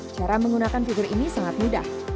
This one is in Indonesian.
cara menggunakan figur ini sangat mudah